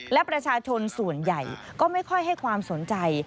และประชาชนส่วนใหญ่ก็ไม่ค่อยให้ความสนใจ